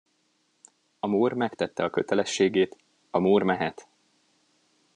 A mór megtette a kötelességét, a mór mehet.